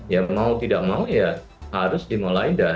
ya mau tidak mau ya harus dimulai dari lakukan